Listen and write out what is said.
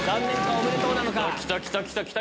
おめでとうなのか？